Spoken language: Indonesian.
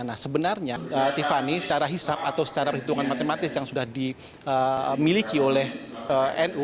nah sebenarnya tiffany secara hisap atau secara perhitungan matematis yang sudah dimiliki oleh nu